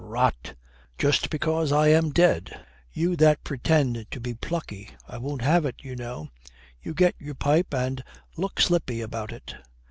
'Rot! Just because I am dead! You that pretend to be plucky! I won't have it, you know. You get your pipe, and look slippy about it.'